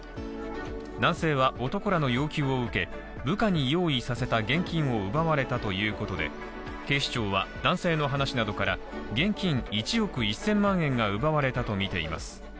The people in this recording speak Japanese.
男性は、男らの要求を受け、部下に用意させた現金を奪われたということで警視庁は男性の話などから現金１億１０００万円が奪われたとみています。